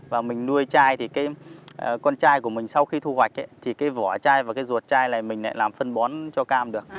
và mình nuôi chai thì cái con trai của mình sau khi thu hoạch thì cái vỏ chai và cái ruột chai này mình lại làm phân bón cho cam được